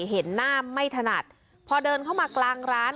เห็นหน้าไม่ถนัดพอเดินเข้ามากลางร้าน